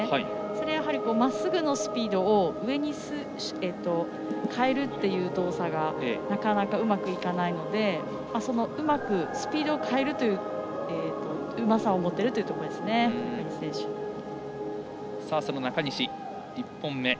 それは、まっすぐのスピードを上に変えるという動作がなかなかうまくいかないのでうまくスピードを変えるといううまさを持っています中西選手。